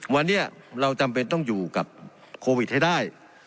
วันนี้เราจำเป็นต้องอยู่กับโควิดให้ได้